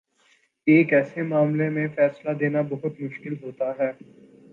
ایک ایسے معاملے میں فیصلہ دینا بہت مشکل ہوتا ہے۔